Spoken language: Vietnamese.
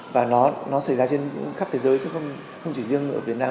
và nó xảy ra trên khắp thế giới chứ không chỉ riêng ở việt nam